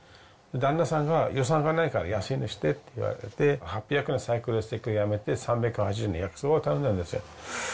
旦那さんが、予算がないから安いのにしてって言われて、８００円のサイコロステーキやめて、３８０円の焼きそばを頼んだんですよ。